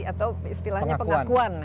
atau istilahnya pengakuan